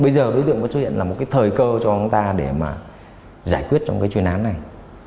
bây giờ đối tượng có xuất hiện là một cái thời cơ cho chúng ta để mà giải quyết trong cái chuyên án này